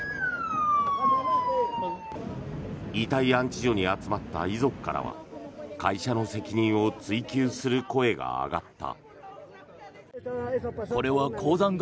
遺体安置所に集まった遺族からは会社の責任を追及する声が上がった。